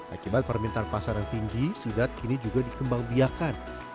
akibat permintaan pasar yang tinggi sidap kini juga dikembangkan